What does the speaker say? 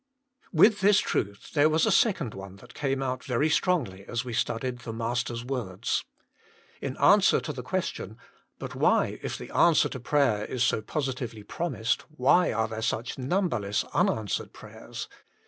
With this truth there was a second one that came out very strongly as we studied the Master s words. In answer to the question, But why, if the answer to prayer is so positively promised, why are INTRODUCTION 3 there such numberless unanswered prayers